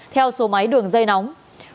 theo số máy đường dây nóng